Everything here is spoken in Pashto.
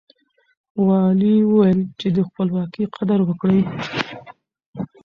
والي وويل چې د خپلواکۍ قدر وکړئ.